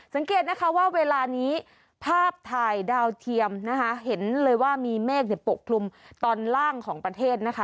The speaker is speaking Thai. สังเกตนะคะว่าเวลานี้ภาพถ่ายดาวเทียมนะคะเห็นเลยว่ามีเมฆปกคลุมตอนล่างของประเทศนะคะ